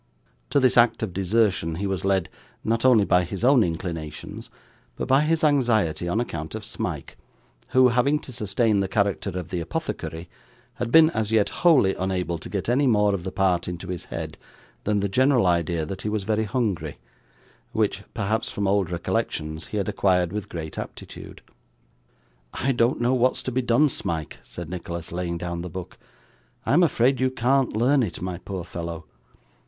To this act of desertion he was led, not only by his own inclinations, but by his anxiety on account of Smike, who, having to sustain the character of the Apothecary, had been as yet wholly unable to get any more of the part into his head than the general idea that he was very hungry, which perhaps from old recollections he had acquired with great aptitude. 'I don't know what's to be done, Smike,' said Nicholas, laying down the book. 'I am afraid you can't learn it, my poor fellow.